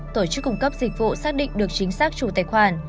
tổ chức cung cấp dịch vụ xác định được chính xác chủ tài khoản